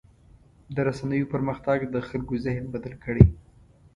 د رسنیو پرمختګ د خلکو ذهن بدل کړی.